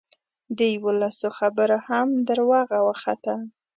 د یوولسو خبره هم دروغه وخته.